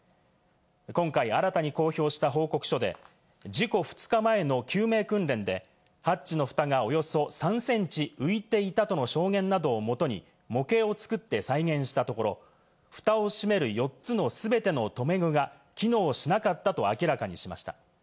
今回新たに公表した報告書で、事故２日前の救命訓練でハッチのふたがおよそ３センチ浮いていたとの証言などをもとに模型を作って再現したところ、ふたを閉める４つの全ての留め具が機能しなかったと明らかにしました。